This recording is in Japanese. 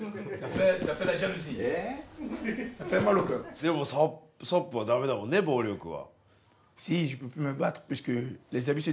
でもサップは駄目だもんね暴力は。